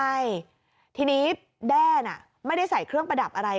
ใช่ทีนี้แด้น่ะไม่ได้ใส่เครื่องประดับอะไร